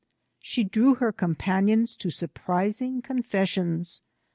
She drew her companions to surprising confessions.